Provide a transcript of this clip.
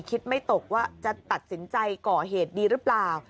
คิดไม่ตกว่าจะตัดสินใจก่อเหตุดีหรือเปล่า